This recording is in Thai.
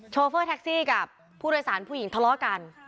โฟเฟอร์แท็กซี่กับผู้โดยสารผู้หญิงทะเลาะกัน